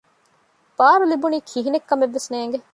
ބާރު ލިބުނީ ކިހިނެތް ކަމެއް ވެސް ނޭނގެ